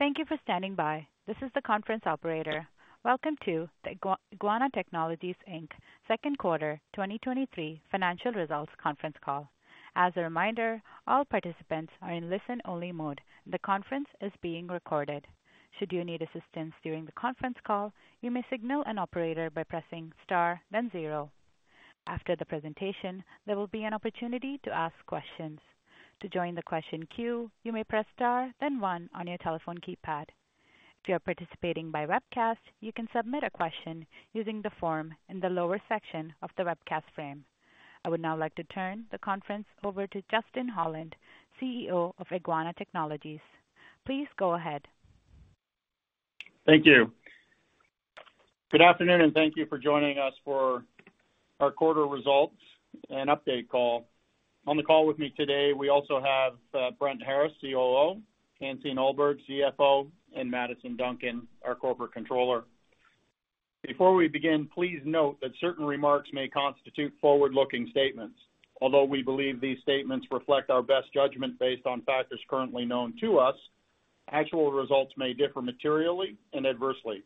Thank you for standing by. This is the conference operator. Welcome to the Eguana Technologies Inc. Second Quarter 2023 Financial Results Conference Call. As a reminder, all participants are in listen-only mode, and the conference is being recorded. Should you need assistance during the conference call, you may signal an operator by pressing star, then zero. After the presentation, there will be an opportunity to ask questions. To join the question queue, you may press star, then one on your telephone keypad. If you are participating by webcast, you can submit a question using the form in the lower section of the webcast frame. I would now like to turn the conference over to Justin Holland, CEO of Eguana Technologies. Please go ahead. Thank you. Good afternoon, and thank you for joining us for our quarter results and update call. On the call with me today, we also have Brent Harris, COO, Hansine Ullberg, CFO, and Maddison Duncan, our Corporate Controller. Before we begin, please note that certain remarks may constitute forward-looking statements. Although we believe these statements reflect our best judgment based on factors currently known to us, actual results may differ materially and adversely.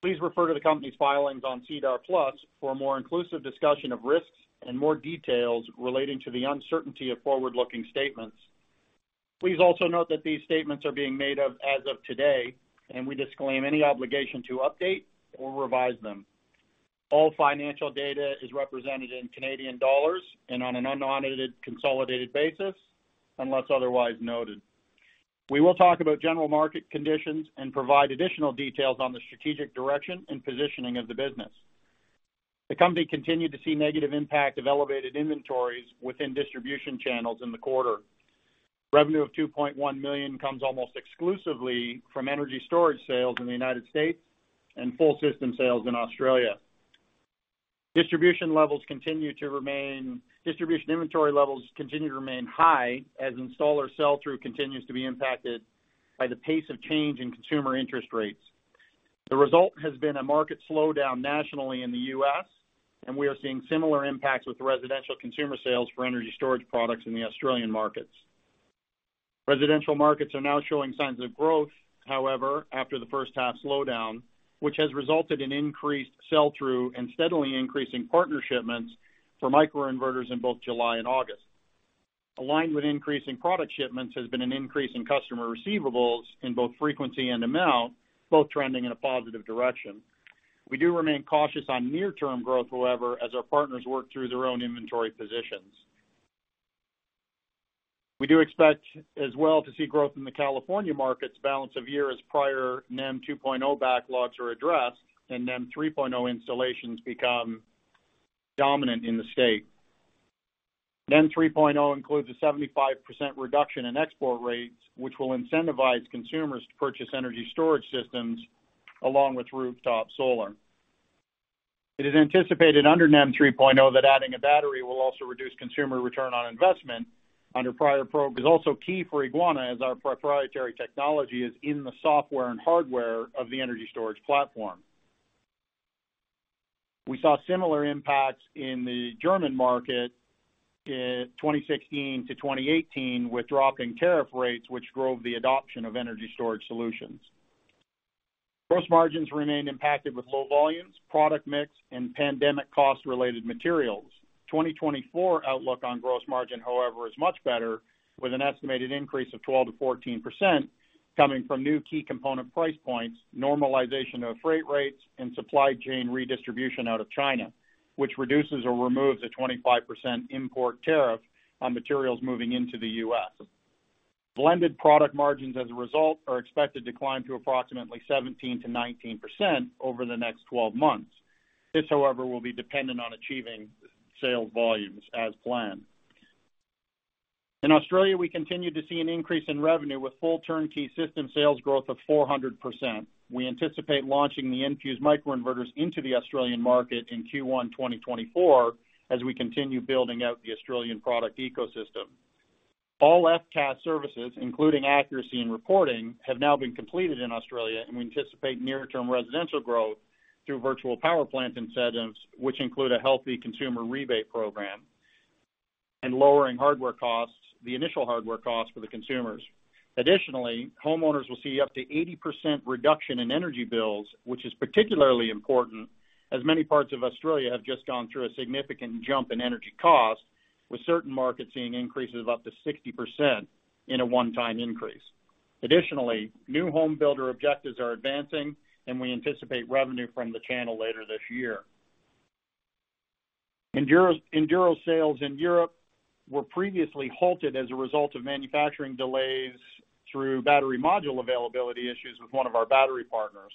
Please refer to the company's filings on SEDAR+ for a more inclusive discussion of risks and more details relating to the uncertainty of forward-looking statements. Please also note that these statements are being made as of today, and we disclaim any obligation to update or revise them. All financial data is represented in Canadian dollars and on an unaudited consolidated basis, unless otherwise noted. We will talk about general market conditions and provide additional details on the strategic direction and positioning of the business. The company continued to see negative impact of elevated inventories within distribution channels in the quarter. Revenue of 2.1 million comes almost exclusively from energy storage sales in the United States and full system sales in Australia. Distribution inventory levels continue to remain high as installer sell-through continues to be impacted by the pace of change in consumer interest rates. The result has been a market slowdown nationally in the U.S., and we are seeing similar impacts with residential consumer sales for energy storage products in the Australian markets. Residential markets are now showing signs of growth, however, after the first half slowdown, which has resulted in increased sell-through and steadily increasing partner shipments for microinverters in both July and August. Aligned with increasing product shipments has been an increase in customer receivables in both frequency and amount, both trending in a positive direction. We do remain cautious on near-term growth, however, as our partners work through their own inventory positions. We do expect as well to see growth in the California markets balance of year as prior NEM 2.0 backlogs are addressed and NEM 3.0 installations become dominant in the state. NEM 3.0 includes a 75% reduction in export rates, which will incentivize consumers to purchase energy storage systems along with rooftop solar. It is anticipated under NEM 3.0, that adding a battery will also reduce consumer return on investment under prior programs is also key for Eguana, as our proprietary technology is in the software and hardware of the energy storage platform. We saw similar impacts in the German market in 2016 to 2018, with dropping tariff rates, which drove the adoption of energy storage solutions. Gross margins remained impacted with low volumes, product mix, and pandemic cost-related materials. 2024 outlook on gross margin, however, is much better, with an estimated increase of 12%-14% coming from new key component price points, normalization of freight rates, and supply chain redistribution out of China, which reduces or removes a 25% import tariff on materials moving into the U.S. Blended product margins, as a result, are expected to climb to approximately 17%-19% over the next 12 months. This, however, will be dependent on achieving sales volumes as planned. In Australia, we continue to see an increase in revenue with full turnkey system sales growth of 400%. We anticipate launching the Enfuse microinverters into the Australian market in Q1 2024, as we continue building out the Australian product ecosystem. All FCAS services, including accuracy and reporting, have now been completed in Australia, and we anticipate near-term residential growth through virtual power plant incentives, which include a healthy consumer rebate program and lowering hardware costs, the initial hardware costs for the consumers. Additionally, homeowners will see up to 80% reduction in energy bills, which is particularly important as many parts of Australia have just gone through a significant jump in energy costs, with certain markets seeing increases of up to 60% in a one-time increase. Additionally, new home builder objectives are advancing, and we anticipate revenue from the channel later this year. Enduro sales in Europe were previously halted as a result of manufacturing delays through battery module availability issues with one of our battery partners.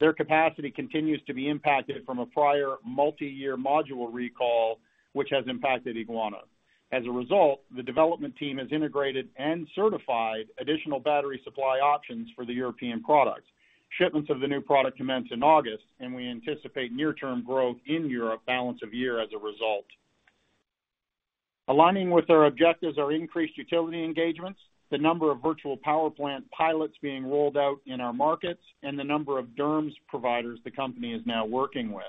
Their capacity continues to be impacted from a prior multi-year module recall, which has impacted Eguana. As a result, the development team has integrated and certified additional battery supply options for the European products. Shipments of the new product commenced in August, and we anticipate near-term growth in Europe balance of year as a result. Aligning with our objectives are increased utility engagements, the number of virtual power plant pilots being rolled out in our markets, and the number of DERMS providers the company is now working with.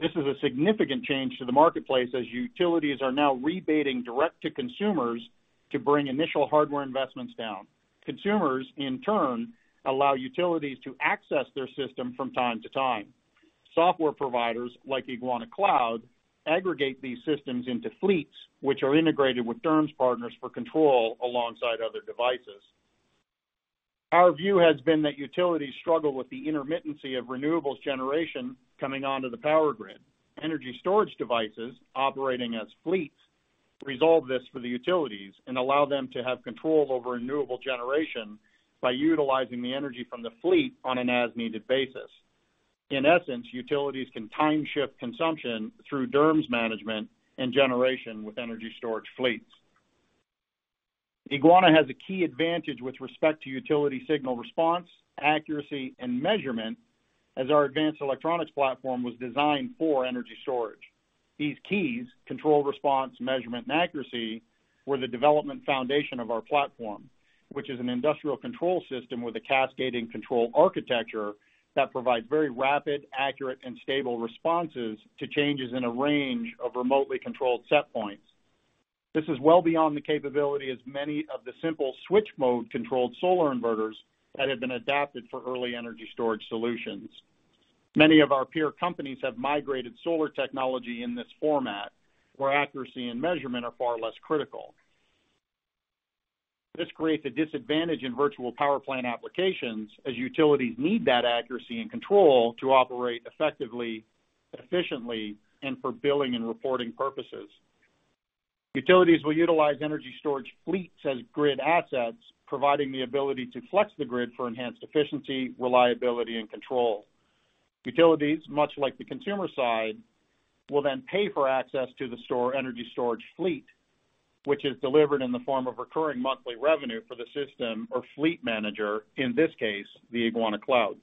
This is a significant change to the marketplace, as utilities are now rebating direct to consumers to bring initial hardware investments down. Consumers, in turn, allow utilities to access their system from time to time. Software providers, like Eguana Cloud, aggregate these systems into fleets, which are integrated with DERMS partners for control alongside other devices. Our view has been that utilities struggle with the intermittency of renewables generation coming onto the power grid. Energy storage devices, operating as fleets, resolve this for the utilities and allow them to have control over renewable generation by utilizing the energy from the fleet on an as-needed basis. In essence, utilities can time-shift consumption through DERMS management and generation with energy storage fleets. Eguana has a key advantage with respect to utility signal response, accuracy, and measurement, as our advanced electronics platform was designed for energy storage. These keys: control, response, measurement, and accuracy, were the development foundation of our platform, which is an industrial control system with a cascading control architecture that provides very rapid, accurate, and stable responses to changes in a range of remotely controlled set points. This is well beyond the capability as many of the simple switch mode-controlled solar inverters that have been adapted for early energy storage solutions. Many of our peer companies have migrated solar technology in this format, where accuracy and measurement are far less critical. This creates a disadvantage in virtual power plant applications, as utilities need that accuracy and control to operate effectively, efficiently, and for billing and reporting purposes. Utilities will utilize energy storage fleets as grid assets, providing the ability to flex the grid for enhanced efficiency, reliability, and control. Utilities, much like the consumer side, will then pay for access to the stored-energy storage fleet, which is delivered in the form of recurring monthly revenue for the system or fleet manager, in this case, the Eguana Cloud.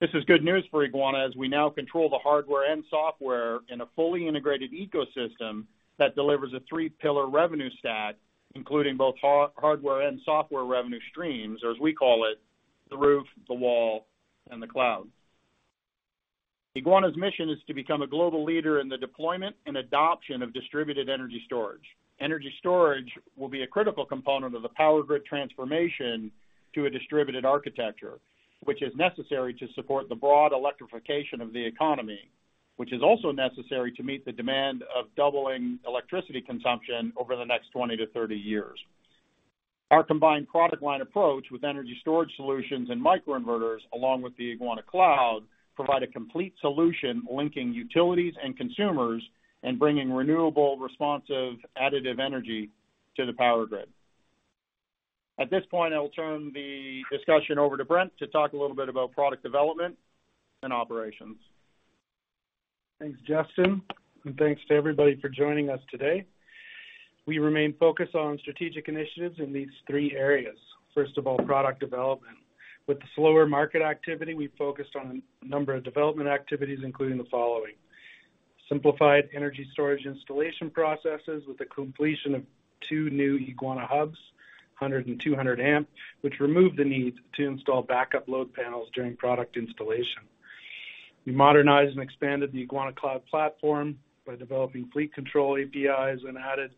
This is good news for Eguana, as we now control the hardware and software in a fully integrated ecosystem that delivers a three-pillar revenue stack, including both hardware and software revenue streams, or as we call it, the roof, the wall, and the cloud. Eguana's mission is to become a global leader in the deployment and adoption of distributed energy storage. Energy storage will be a critical component of the power grid transformation to a distributed architecture, which is necessary to support the broad electrification of the economy, which is also necessary to meet the demand of doubling electricity consumption over the next 20-30 years. Our combined product line approach with energy storage solutions and microinverters, along with the Eguana Cloud, provide a complete solution linking utilities and consumers and bringing renewable, responsive, additive energy to the power grid. At this point, I will turn the discussion over to Brent to talk a little bit about product development and operations. Thanks, Justin, and thanks to everybody for joining us today. We remain focused on strategic initiatives in these three areas. First of all, product development. With the slower market activity, we focused on a number of development activities, including the following: simplified energy storage installation processes with the completion of two new Eguana Hubs, 100-amp and 200-amp, which removed the need to install backup load panels during product installation. We modernized and expanded the Eguana Cloud platform by developing fleet control APIs and added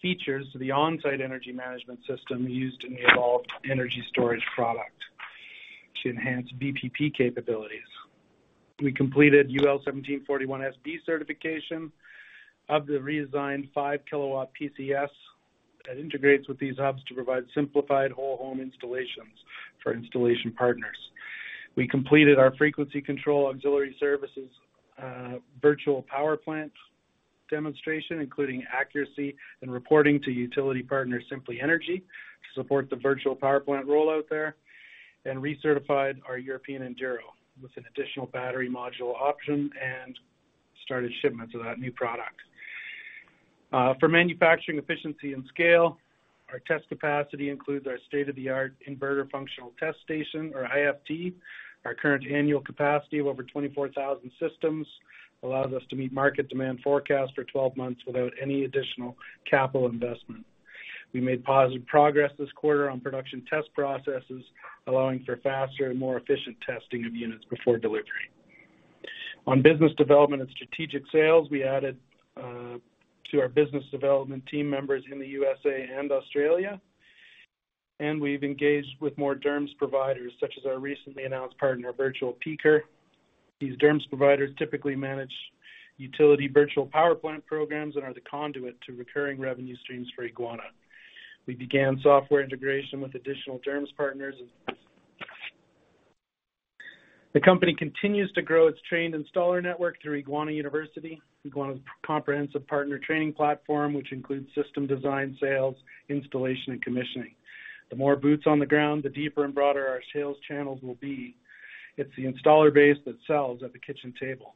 features to the on-site energy management system used in the Evolve energy storage product to enhance VPP capabilities. We completed UL 1741 SB certification of the redesigned 5 kW PCS that integrates with these hubs to provide simplified whole-home installations for installation partners. We completed our frequency control ancillary services virtual power plant demonstration, including accuracy and reporting to utility partner, Simply Energy, to support the virtual power plant rollout there, and recertified our European Enduro with an additional battery module option and started shipments of that new product. For manufacturing efficiency and scale, our test capacity includes our state-of-the-art inverter functional test station, or IFT. Our current annual capacity of over 24,000 systems allows us to meet market demand forecast for 12 months without any additional capital investment. We made positive progress this quarter on production test processes, allowing for faster and more efficient testing of units before delivery. On business development and strategic sales, we added to our business development team members in the U.S.A. and Australia, and we've engaged with more DERMS providers, such as our recently announced partner, Virtual Peaker. These DERMS providers typically manage utility virtual power plant programs and are the conduit to recurring revenue streams for Eguana. We began software integration with additional DERMS partners. The company continues to grow its trained installer network through Eguana University, Eguana's comprehensive partner training platform, which includes system design, sales, installation, and commissioning. The more boots on the ground, the deeper and broader our sales channels will be. It's the installer base that sells at the kitchen table.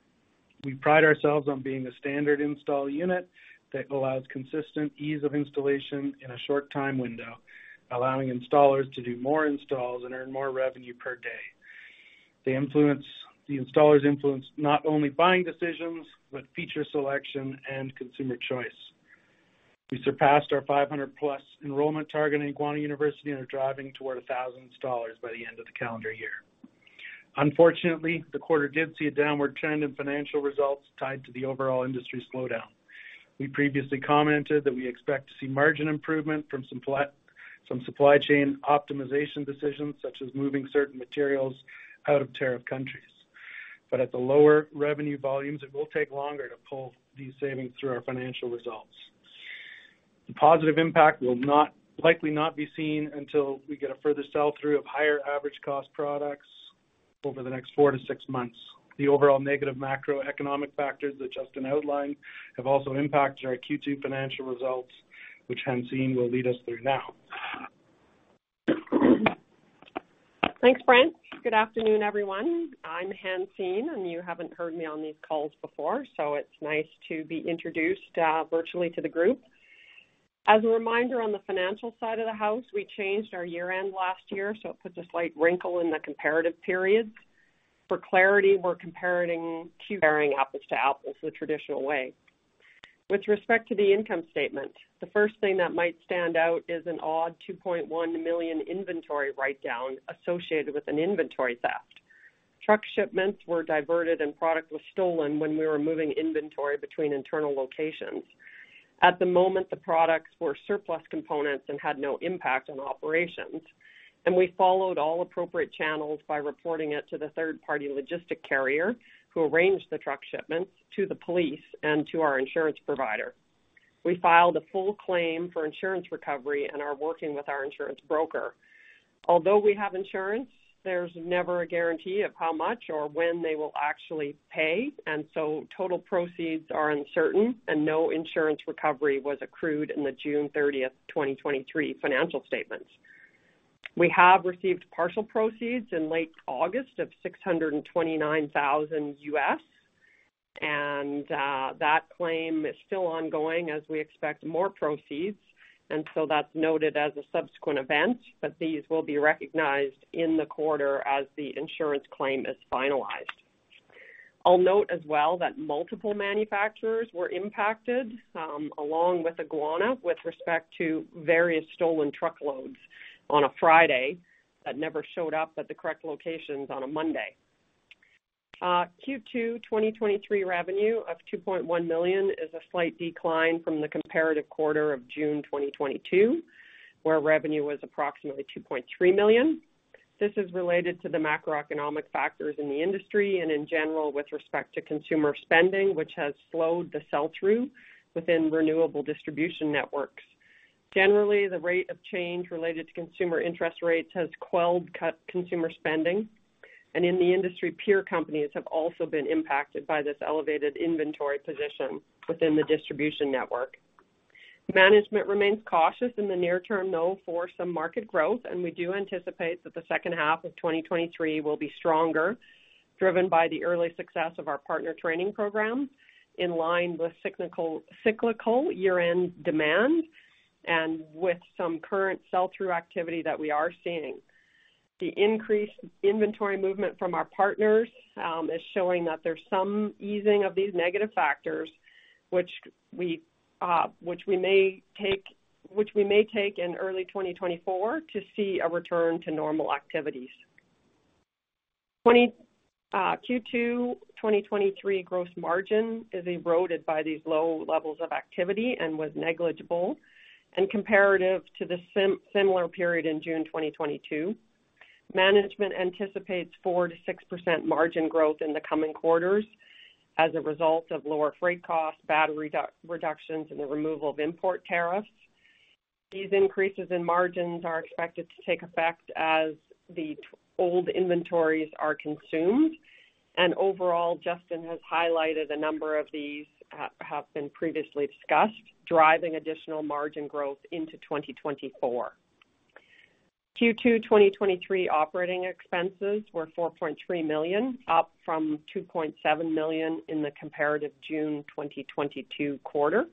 We pride ourselves on being a standard install unit that allows consistent ease of installation in a short time window, allowing installers to do more installs and earn more revenue per day. They influence. The installers influence not only buying decisions, but feature selection and consumer choice... We surpassed our 500+ enrollment target in Eguana University and are driving toward 1,000 installers by the end of the calendar year. Unfortunately, the quarter did see a downward trend in financial results tied to the overall industry slowdown. We previously commented that we expect to see margin improvement from some supply chain optimization decisions, such as moving certain materials out of tariff countries. But at the lower revenue volumes, it will take longer to pull these savings through our financial results. The positive impact will not, likely not be seen until we get a further sell-through of higher average cost products over the next four to six months. The overall negative macroeconomic factors that Justin outlined have also impacted our Q2 financial results, which Hansine will lead us through now. Thanks, Brent. Good afternoon, everyone. I'm Hansine, and you haven't heard me on these calls before, so it's nice to be introduced virtually to the group. As a reminder, on the financial side of the house, we changed our year-end last year, so it puts a slight wrinkle in the comparative periods. For clarity, we're comparing apples to apples the traditional way. With respect to the income statement, the first thing that might stand out is an odd 2.1 million inventory write-down associated with an inventory theft. Truck shipments were diverted, and product was stolen when we were moving inventory between internal locations. At the moment, the products were surplus components and had no impact on operations, and we followed all appropriate channels by reporting it to the third-party logistic carrier, who arranged the truck shipments to the police and to our insurance provider. We filed a full claim for insurance recovery and are working with our insurance broker. Although we have insurance, there's never a guarantee of how much or when they will actually pay, and so total proceeds are uncertain, and no insurance recovery was accrued in the June 30th, 2023 financial statements. We have received partial proceeds in late August of $629,000, and, that claim is still ongoing as we expect more proceeds, and so that's noted as a subsequent event, but these will be recognized in the quarter as the insurance claim is finalized. I'll note as well that multiple manufacturers were impacted, along with Eguana, with respect to various stolen truckloads on a Friday that never showed up at the correct locations on a Monday. Q2 2023 revenue of 2.1 million is a slight decline from the comparative quarter of June 2022, where revenue was approximately 2.3 million. This is related to the macroeconomic factors in the industry and in general, with respect to consumer spending, which has slowed the sell-through within renewable distribution networks. Generally, the rate of change related to consumer interest rates has quelled cut consumer spending, and in the industry, peer companies have also been impacted by this elevated inventory position within the distribution network. Management remains cautious in the near term, though, for some market growth, and we do anticipate that the second half of 2023 will be stronger, driven by the early success of our partner training program, in line with cyclical year-end demand and with some current sell-through activity that we are seeing. The increased inventory movement from our partners is showing that there's some easing of these negative factors, which we may take in early 2024 to see a return to normal activities. Q2 2023 gross margin is eroded by these low levels of activity and was negligible compared to the similar period in June 2022. Management anticipates 4%-6% margin growth in the coming quarters as a result of lower freight costs, battery reductions, and the removal of import tariffs. These increases in margins are expected to take effect as the old inventories are consumed, and overall, Justin has highlighted a number of these have been previously discussed, driving additional margin growth into 2024. Q2 2023 operating expenses were 4.3 million, up from 2.7 million in the comparative June 2022 quarter.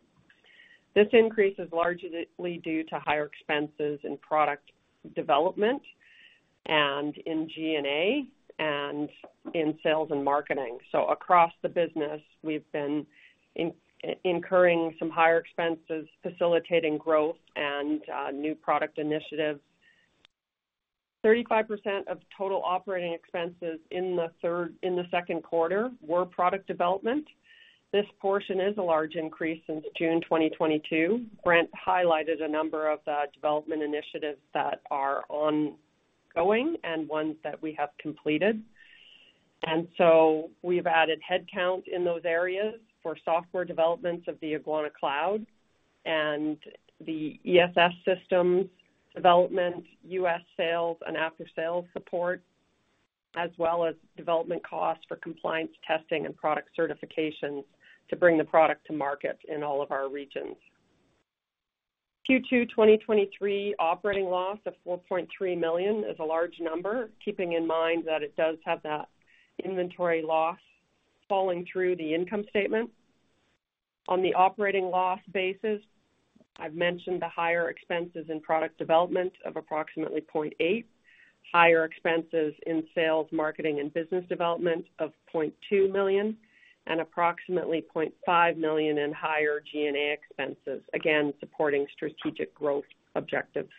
This increase is largely due to higher expenses in product development and in G&A and in sales and marketing. So across the business, we've been incurring some higher expenses, facilitating growth and new product initiatives. 35% of total operating expenses in the second quarter were product development. This portion is a large increase since June 2022. Brent highlighted a number of development initiatives that are ongoing and ones that we have completed. And so we've added headcount in those areas for software developments of the Eguana Cloud and the ESS systems development, U.S. sales, and after-sales support, as well as development costs for compliance, testing, and product certifications to bring the product to market in all of our regions. Q2 2023 operating loss of 4.3 million is a large number, keeping in mind that it does have that inventory loss falling through the income statement. On the operating loss basis, I've mentioned the higher expenses in product development of approximately 0.8 million, higher expenses in sales, marketing, and business development of 0.2 million and approximately 0.5 million in higher G&A expenses, again, supporting strategic growth objectives.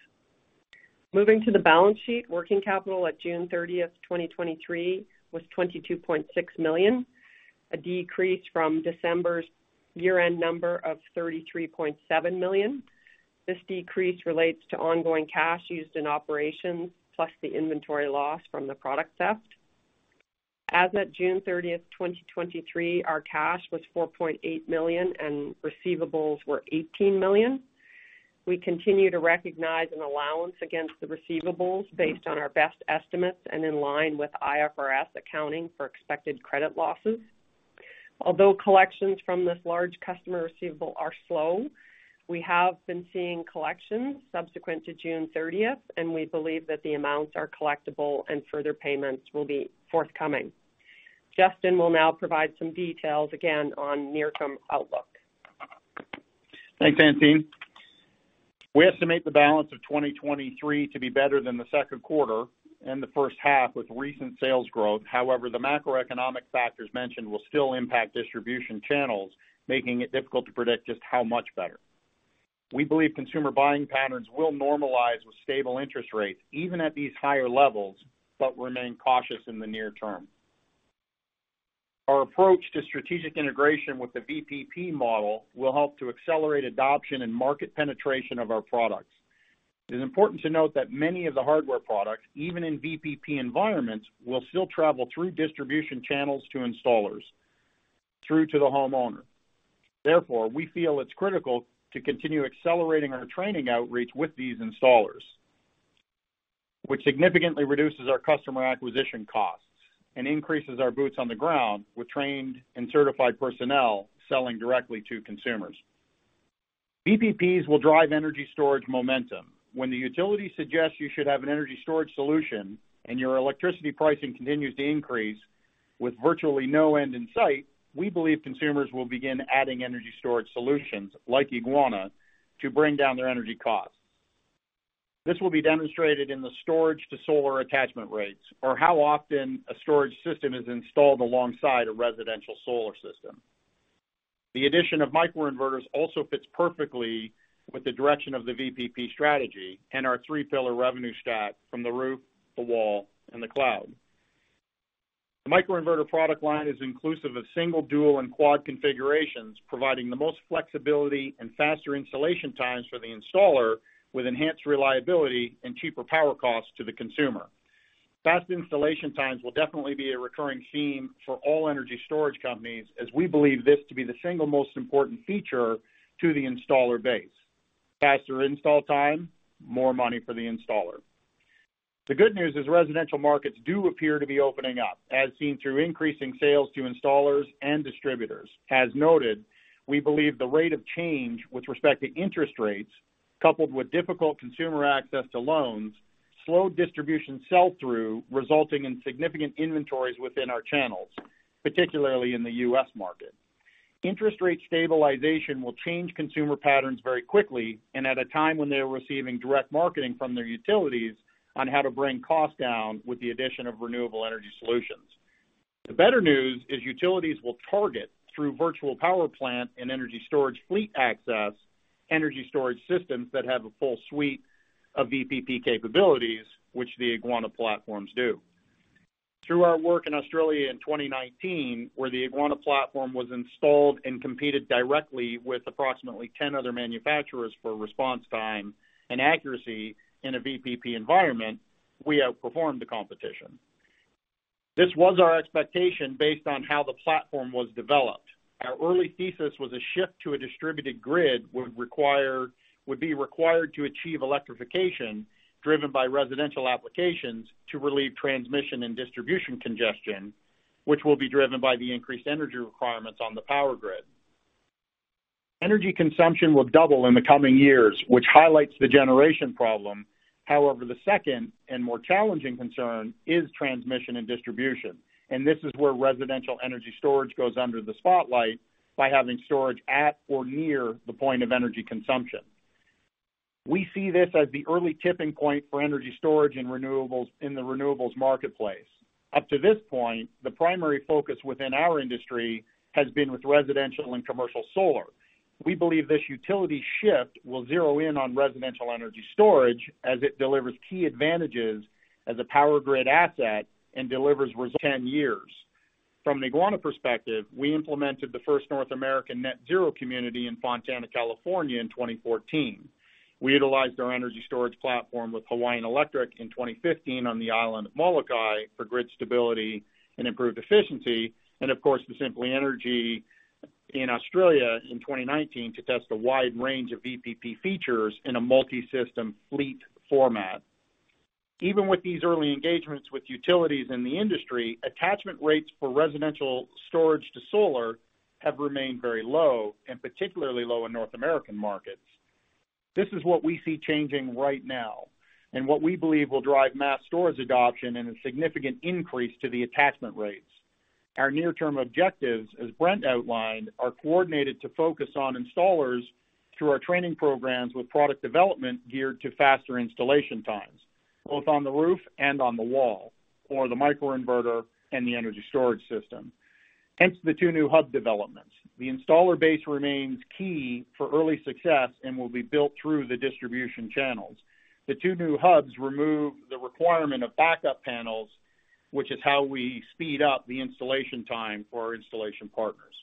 Moving to the balance sheet, working capital at June 30th, 2023 was 22.6 million, a decrease from December's year-end number of 33.7 million. This decrease relates to ongoing cash used in operations, plus the inventory loss from the product theft. As at June 30th, 2023, our cash was 4.8 million, and receivables were 18 million. We continue to recognize an allowance against the receivables based on our best estimates and in line with IFRS accounting for expected credit losses. Although collections from this large customer receivable are slow, we have been seeing collections subsequent to June 30th, and we believe that the amounts are collectible and further payments will be forthcoming. Justin will now provide some details again on near-term outlook. Thanks, Hansine. We estimate the balance of 2023 to be better than the second quarter and the first half with recent sales growth. However, the macroeconomic factors mentioned will still impact distribution channels, making it difficult to predict just how much better. We believe consumer buying patterns will normalize with stable interest rates, even at these higher levels, but remain cautious in the near term. Our approach to strategic integration with the VPP model will help to accelerate adoption and market penetration of our products. It is important to note that many of the hardware products, even in VPP environments, will still travel through distribution channels to installers, through to the homeowner. Therefore, we feel it's critical to continue accelerating our training outreach with these installers, which significantly reduces our customer acquisition costs and increases our boots on the ground with trained and certified personnel selling directly to consumers. VPPs will drive energy storage momentum. When the utility suggests you should have an energy storage solution and your electricity pricing continues to increase with virtually no end in sight, we believe consumers will begin adding energy storage solutions like Eguana to bring down their energy costs. This will be demonstrated in the storage-to-solar attachment rates, or how often a storage system is installed alongside a residential solar system. The addition of microinverters also fits perfectly with the direction of the VPP strategy and our three-pillar revenue stack from the roof, the wall, and the cloud. The microinverter product line is inclusive of single, dual, and quad configurations, providing the most flexibility and faster installation times for the installer, with enhanced reliability and cheaper power costs to the consumer. Fast installation times will definitely be a recurring theme for all energy storage companies, as we believe this to be the single most important feature to the installer base. Faster install time, more money for the installer. The good news is residential markets do appear to be opening up, as seen through increasing sales to installers and distributors. As noted, we believe the rate of change with respect to interest rates, coupled with difficult consumer access to loans, slowed distribution sell-through, resulting in significant inventories within our channels, particularly in the U.S. market. Interest rate stabilization will change consumer patterns very quickly and at a time when they're receiving direct marketing from their utilities on how to bring costs down with the addition of renewable energy solutions. The better news is utilities will target, through virtual power plant and energy storage fleet access, energy storage systems that have a full suite of VPP capabilities, which the Eguana platforms do. Through our work in Australia in 2019, where the Eguana platform was installed and competed directly with approximately 10 other manufacturers for response time and accuracy in a VPP environment, we outperformed the competition. This was our expectation based on how the platform was developed. Our early thesis was a shift to a distributed grid would be required to achieve electrification driven by residential applications to relieve transmission and distribution congestion, which will be driven by the increased energy requirements on the power grid. Energy consumption will double in the coming years, which highlights the generation problem. However, the second and more challenging concern is transmission and distribution, and this is where residential energy storage goes under the spotlight by having storage at or near the point of energy consumption. We see this as the early tipping point for energy storage and renewables in the renewables marketplace. Up to this point, the primary focus within our industry has been with residential and commercial solar. We believe this utility shift will zero in on residential energy storage as it delivers key advantages as a power grid asset and delivers res-- 10 years. From an Eguana perspective, we implemented the first North American net zero community in Fontana, California, in 2014. We utilized our energy storage platform with Hawaiian Electric in 2015 on the island of Molokai for grid stability and improved efficiency, and of course, with Simply Energy in Australia in 2019 to test a wide range of VPP features in a multisystem fleet format. Even with these early engagements with utilities in the industry, attachment rates for residential storage to solar have remained very low and particularly low in North American markets. This is what we see changing right now and what we believe will drive mass storage adoption and a significant increase to the attachment rates. Our near-term objectives, as Brent outlined, are coordinated to focus on installers through our training programs with product development geared to faster installation times, both on the roof and on the wall, or the microinverter and the energy storage system. Hence, the two new hub developments. The installer base remains key for early success and will be built through the distribution channels. The two new hubs remove the requirement of backup panels, which is how we speed up the installation time for our installation partners.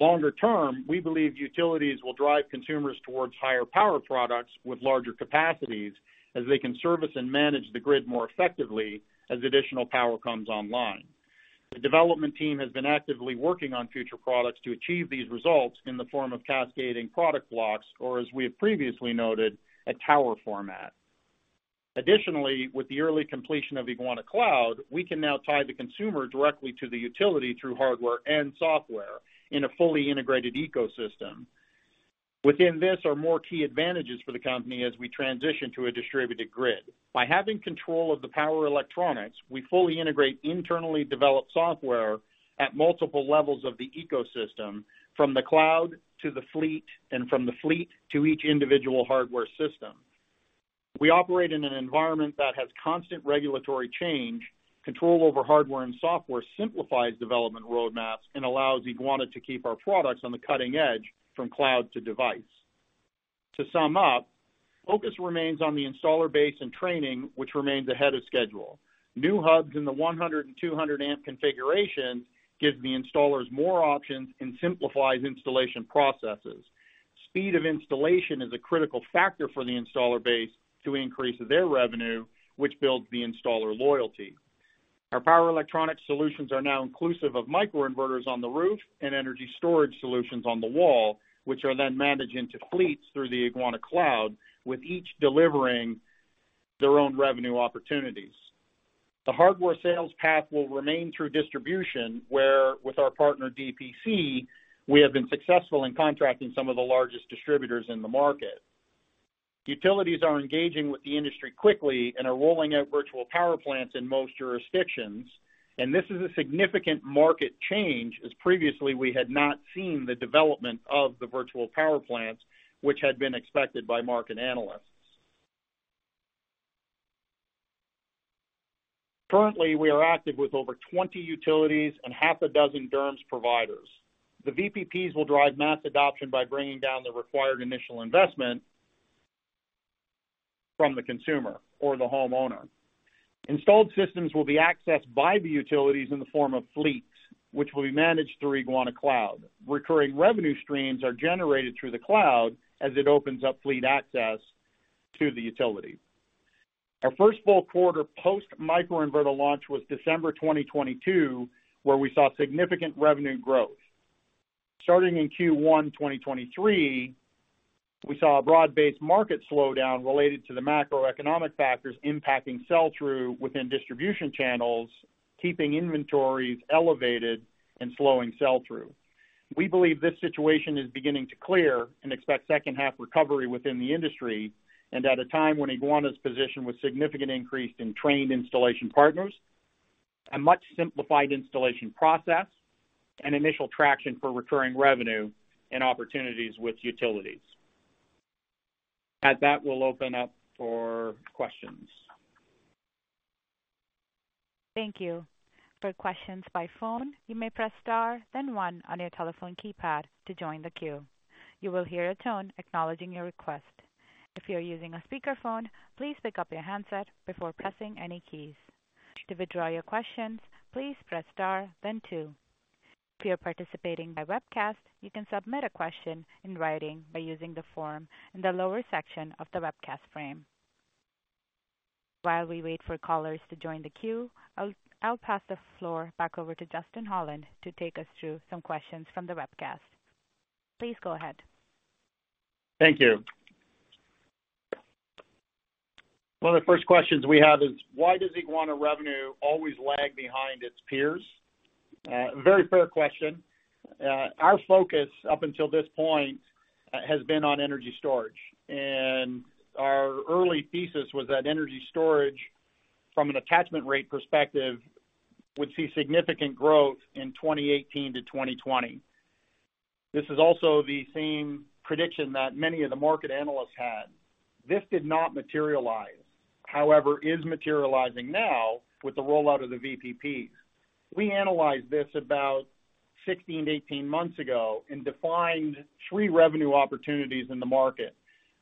Longer term, we believe utilities will drive consumers towards higher power products with larger capacities as they can service and manage the grid more effectively as additional power comes online. The development team has been actively working on future products to achieve these results in the form of cascading product blocks, or as we have previously noted, a tower format. Additionally, with the early completion of Eguana Cloud, we can now tie the consumer directly to the utility through hardware and software in a fully integrated ecosystem. Within this are more key advantages for the company as we transition to a distributed grid. By having control of the power electronics, we fully integrate internally developed software at multiple levels of the ecosystem, from the cloud to the fleet, and from the fleet to each individual hardware system. We operate in an environment that has constant regulatory change. Control over hardware and software simplifies development roadmaps and allows Eguana to keep our products on the cutting edge from cloud to device. To sum up, focus remains on the installer base and training, which remains ahead of schedule. New hubs in the 100- and 200-amp configurations gives the installers more options and simplifies installation processes. Speed of installation is a critical factor for the installer base to increase their revenue, which builds the installer loyalty. Our power electronic solutions are now inclusive of microinverters on the roof and energy storage solutions on the wall, which are then managed into fleets through the Eguana Cloud, with each delivering their own revenue opportunities. The hardware sales path will remain through distribution, where with our partner, DPC, we have been successful in contracting some of the largest distributors in the market. Utilities are engaging with the industry quickly and are rolling out virtual power plants in most jurisdictions, and this is a significant market change, as previously we had not seen the development of the virtual power plants, which had been expected by market analysts. Currently, we are active with over 20 utilities and half a dozen DERMS providers. The VPPs will drive mass adoption by bringing down the required initial investment from the consumer or the homeowner. Installed systems will be accessed by the utilities in the form of fleets, which will be managed through Eguana Cloud. Recurring revenue streams are generated through the cloud as it opens up fleet access to the utility. Our first full quarter post microinverter launch was December 2022, where we saw significant revenue growth. Starting in Q1 2023, we saw a broad-based market slowdown related to the macroeconomic factors impacting sell-through within distribution channels, keeping inventories elevated and slowing sell-through. We believe this situation is beginning to clear and expect second-half recovery within the industry, and at a time when Eguana's position with significant increase in trained installation partners, a much simplified installation process, and initial traction for recurring revenue and opportunities with utilities. At that, we'll open up for questions. Thank you. For questions by phone, you may press star, then one on your telephone keypad to join the queue. You will hear a tone acknowledging your request. If you are using a speakerphone, please pick up your handset before pressing any keys. To withdraw your questions, please press star, then two. If you are participating by webcast, you can submit a question in writing by using the form in the lower section of the webcast frame. While we wait for callers to join the queue, I'll pass the floor back over to Justin Holland to take us through some questions from the webcast. Please go ahead. Thank you. One of the first questions we have is: Why does Eguana revenue always lag behind its peers? Very fair question. Our focus up until this point has been on energy storage, and our early thesis was that energy storage, from an attachment rate perspective, would see significant growth in 2018 to 2020. This is also the same prediction that many of the market analysts had. This did not materialize. However, it is materializing now with the rollout of the VPPs. We analyzed this about 16-18 months ago and defined three revenue opportunities in the market,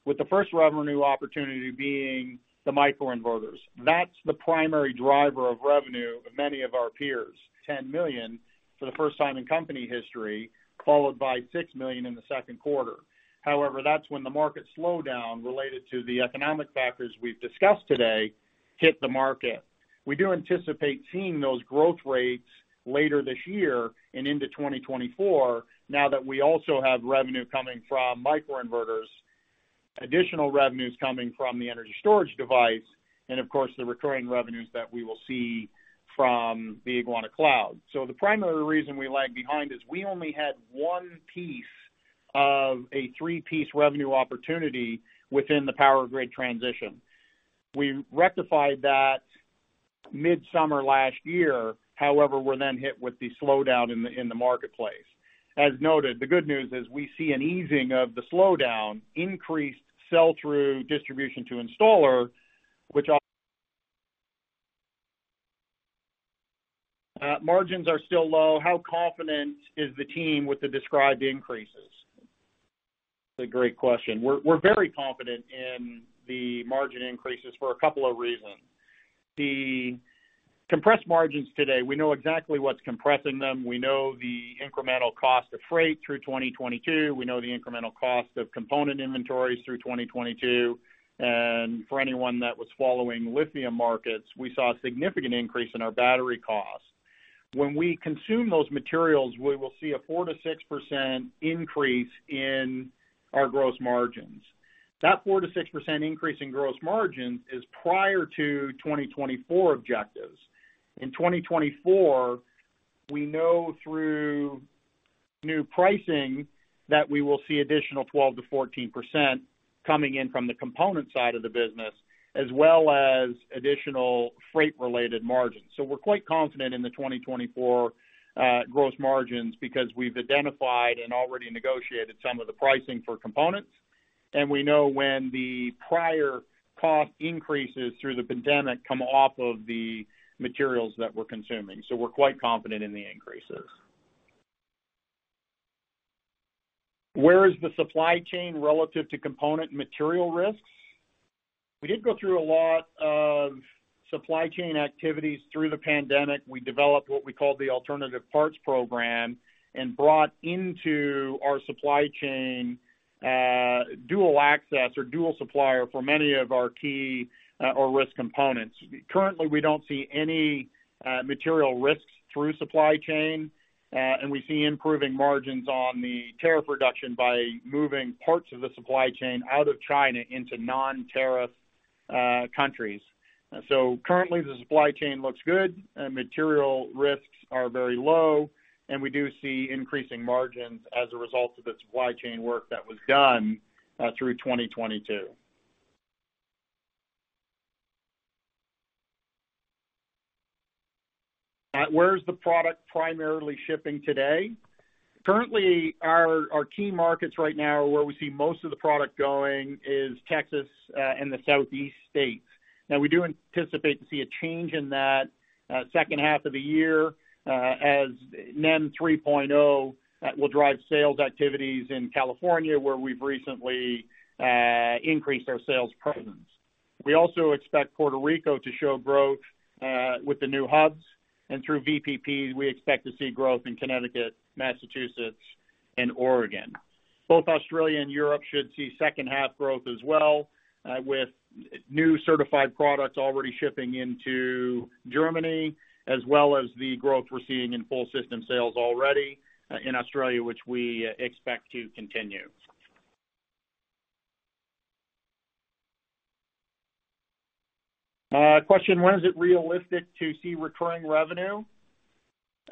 with the first revenue opportunity being the microinverters. That's the primary driver of revenue of many of our peers, 10 million for the first time in company history, followed by 6 million in the second quarter. However, that's when the market slowdown related to the economic factors we've discussed today hit the market. We do anticipate seeing those growth rates later this year and into 2024, now that we also have revenue coming from microinverters, additional revenues coming from the energy storage device, and of course, the recurring revenues that we will see from the Eguana Cloud. So the primary reason we lag behind is we only had one piece of a three-piece revenue opportunity within the power grid transition... We rectified that midsummer last year. However, we're then hit with the slowdown in the marketplace. As noted, the good news is we see an easing of the slowdown, increased sell-through distribution to installer, which margins are still low. How confident is the team with the described increases? That's a great question. We're very confident in the margin increases for a couple of reasons. The compressed margins today, we know exactly what's compressing them. We know the incremental cost of freight through 2022. We know the incremental cost of component inventories through 2022. And for anyone that was following lithium markets, we saw a significant increase in our battery costs. When we consume those materials, we will see a 4%-6% increase in our gross margins. That 4%-6% increase in gross margin is prior to 2024 objectives. In 2024, we know through new pricing that we will see additional 12%-14% coming in from the component side of the business, as well as additional freight-related margins. So we're quite confident in the 2024 gross margins because we've identified and already negotiated some of the pricing for components, and we know when the prior cost increases through the pandemic come off of the materials that we're consuming. So we're quite confident in the increases. Where is the supply chain relative to component material risks? We did go through a lot of supply chain activities through the pandemic. We developed what we call the alternative parts program and brought into our supply chain dual access or dual supplier for many of our key or risk components. Currently, we don't see any material risks through supply chain and we see improving margins on the tariff reduction by moving parts of the supply chain out of China into non-tariff countries. So currently, the supply chain looks good, and material risks are very low, and we do see increasing margins as a result of the supply chain work that was done through 2022. Where is the product primarily shipping today? Currently, our key markets right now, where we see most of the product going, is Texas and the Southeast states. Now, we do anticipate to see a change in that second half of the year as NEM 3.0 will drive sales activities in California, where we've recently increased our sales presence. We also expect Puerto Rico to show growth with the new hubs, and through VPP, we expect to see growth in Connecticut, Massachusetts, and Oregon. Both Australia and Europe should see second half growth as well, with new certified products already shipping into Germany, as well as the growth we're seeing in full system sales already, in Australia, which we expect to continue. Question, when is it realistic to see recurring revenue?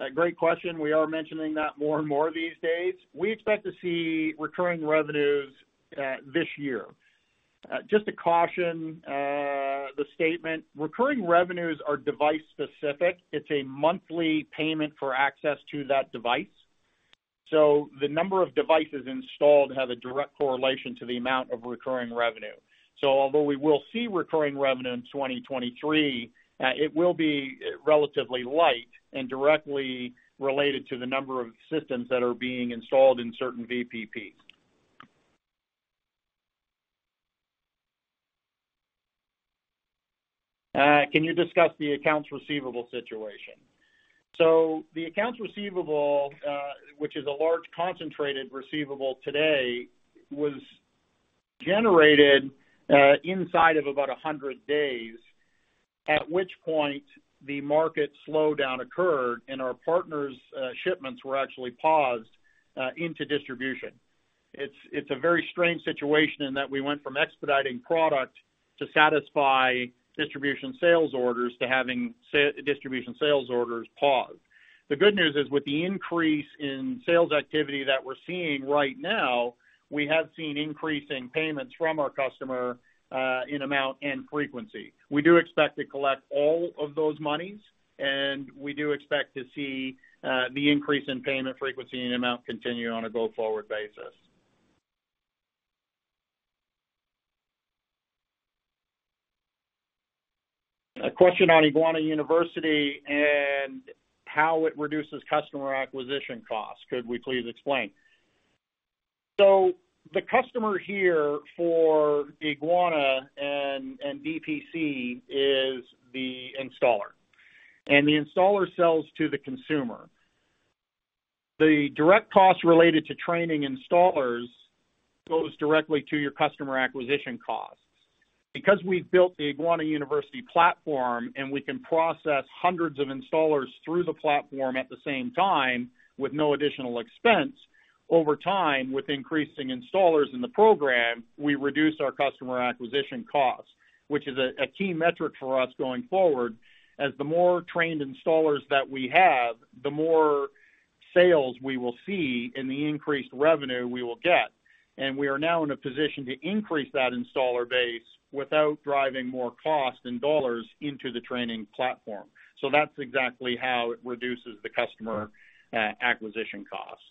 A great question. We are mentioning that more and more these days. We expect to see recurring revenues, this year. Just to caution, the statement, recurring revenues are device-specific. It's a monthly payment for access to that device. So the number of devices installed have a direct correlation to the amount of recurring revenue. So although we will see recurring revenue in 2023, it will be relatively light and directly related to the number of systems that are being installed in certain VPP. Can you discuss the accounts receivable situation? So the accounts receivable, which is a large concentrated receivable today, was generated, inside of about 100 days, at which point the market slowdown occurred, and our partners', shipments were actually paused, into distribution. It's a very strange situation in that we went from expediting product to satisfy distribution sales orders to having distribution sales orders paused. The good news is with the increase in sales activity that we're seeing right now, we have seen increase in payments from our customer, in amount and frequency. We do expect to collect all of those monies, and we do expect to see, the increase in payment frequency and amount continue on a go-forward basis. A question on Eguana University and how it reduces customer acquisition costs. Could we please explain? So the customer here for Eguana and VPP is the installer, and the installer sells to the consumer. The direct costs related to training installers goes directly to your customer acquisition costs. Because we've built the Eguana University platform and we can process hundreds of installers through the platform at the same time with no additional expense, over time, with increasing installers in the program, we reduce our customer acquisition costs, which is a key metric for us going forward, as the more trained installers that we have, the more sales we will see and the increased revenue we will get. And we are now in a position to increase that installer base without driving more cost and dollars into the training platform. So that's exactly how it reduces the customer acquisition costs.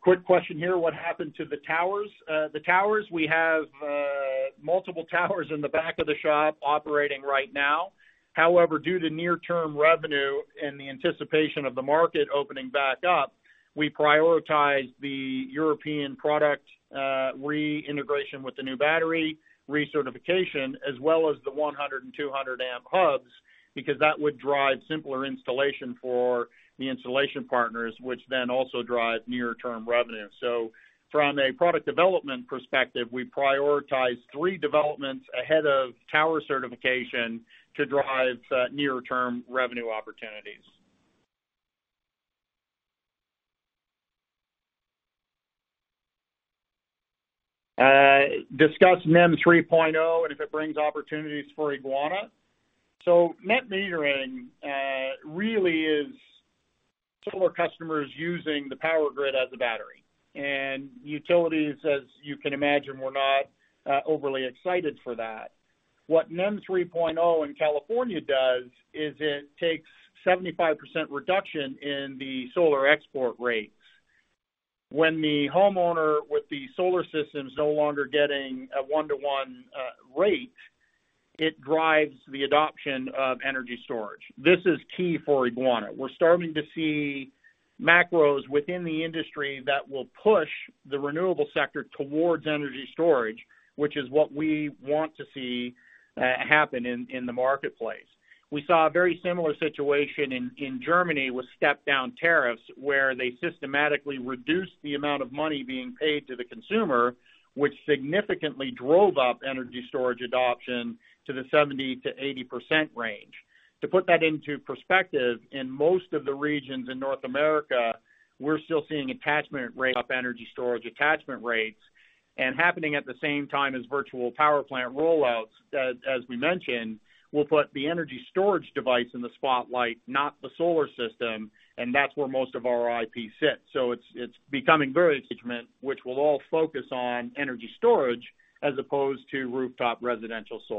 Quick question here, what happened to the towers? The towers, we have multiple towers in the back of the shop operating right now. However, due to near-term revenue and the anticipation of the market opening back up, we prioritized the European product, reintegration with the new battery, recertification, as well as the 100- and 200-amp hubs, because that would drive simpler installation for the installation partners, which then also drive near-term revenue. So from a product development perspective, we prioritize three developments ahead of tower certification to drive near-term revenue opportunities. Discuss NEM 3.0, and if it brings opportunities for Eguana. So net metering really is solar customers using the power grid as a battery, and utilities, as you can imagine, were not overly excited for that. What NEM 3.0 in California does is it takes 75% reduction in the solar export rates. When the homeowner with the solar system is no longer getting a one-to-one rate, it drives the adoption of energy storage. This is key for Eguana. We're starting to see macros within the industry that will push the renewable sector towards energy storage, which is what we want to see happen in the marketplace. We saw a very similar situation in Germany with step-down tariffs, where they systematically reduced the amount of money being paid to the consumer, which significantly drove up energy storage adoption to the 70%-80% range. To put that into perspective, in most of the regions in North America, we're still seeing attachment rates up energy storage attachment rates, and happening at the same time as Virtual Power Plant rollouts, as, as we mentioned, will put the energy storage device in the spotlight, not the solar system, and that's where most of our IP sits. So it's, it's becoming very engaging, which will all focus on energy storage as opposed to rooftop residential solar.